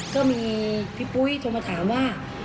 ก็มีพี่ปุ้ยโทรมาถามว่า